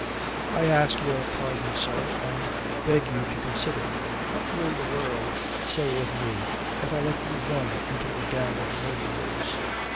"I ask your pardon, sir, and beg you to consider. What will the world say of me if I let you run into a gang of murderers?